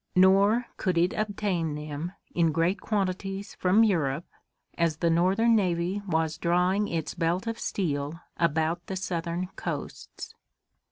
Nor could it obtain them in great quantities from Europe as the Northern navy was drawing its belt of steel about the Southern coasts.